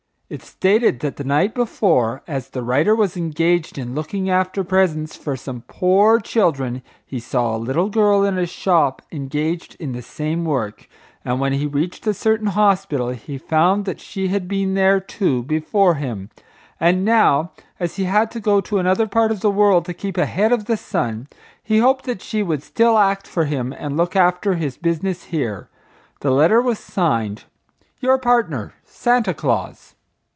It stated that the night before, as the writer was engaged in looking after presents for some poor children, he saw a little girl in a shop engaged in the same work, and when he reached a certain hospital he found that she had been there, too, before him, and now as he had to go to another part of the world to keep ahead of the sun, he hoped that she would still act for him and look after his business here. The letter was signed, Your partner, Santa Claus.